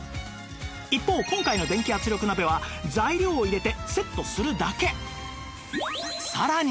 一方今回の電気圧力鍋は材料を入れてセットするだけ